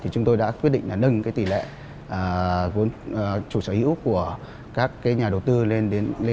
chúng tôi đã quyết định nâng tỷ lệ vốn chủ sở hữu của các nhà đầu tư lên đến sáu mươi